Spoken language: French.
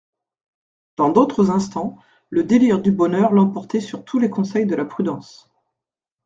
Dans d'autres instants, le délire du bonheur l'emportait sur tous les conseils de la prudence.